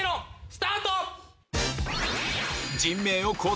スタート！